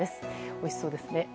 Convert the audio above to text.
おいしそうですね。